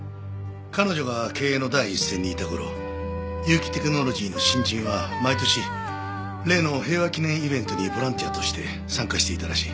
彼女が経営の第一線にいた頃結城テクノロジーの新人は毎年例の平和祈念イベントにボランティアとして参加していたらしい。